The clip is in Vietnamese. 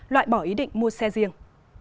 loại bỏ ý định mua xe riêng